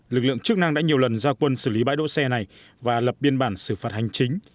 lực lượng chức năng đã nhiều lần ra quân xử lý bãi đỗ xe này và lập biên bản xử phạt hành chính